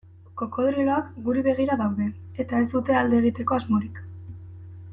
Krokodiloak guri begira daude eta ez dute alde egiteko asmorik.